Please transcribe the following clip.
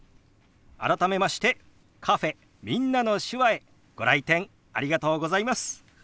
改めましてカフェ「みんなの手話」へご来店ありがとうございます。